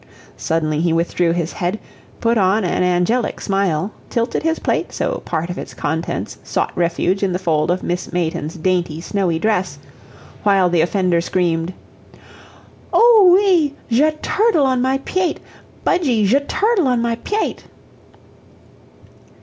Suddenly he withdrew his head, put on an angelic smile, tilted his plate so part of its contents sought refuge in the fold of Miss Mayton's dainty, snowy dress, while the offender screamed: "Oo ee ! zha turtle on my pyate! Budgie, zha turtle on my pyate!"